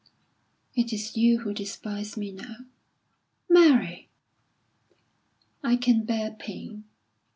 "It is you who despise me now!" "Mary!" "I can bear pain.